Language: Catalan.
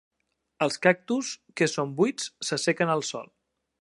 Els cactus, que són buits, s'assequen al sol.